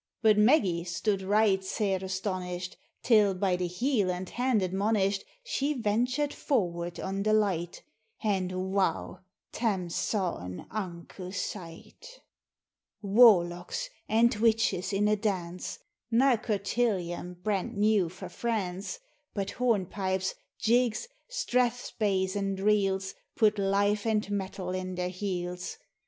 But Maggie stood right sair astonished, Till, by the heel and hand admonished, She ventured forward on the light ; And, wow ! Tarn saw an unco sight ! 74 POEMS OF FANCY. Warlocks and witches in a dance : Nae cotillon brent new frae France, But hornpipes, jigs, strathspeys, and reels Put life and mettle in their heels.